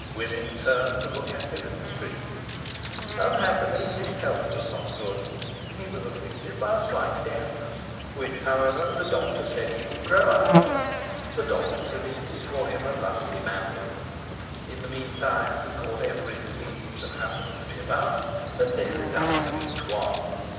Women turned to look at him in the street. Unhappily, his health was not good. He was afflicted by a slight deafness, which, however, the doctor said he would grow out of; the doctor predicted for him a lusty manhood. In the meantime, he caught every disease that happened to be about, and nearly died of each one.